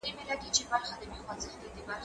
زه به اوږده موده د کتابتون پاکوالی کړی وم،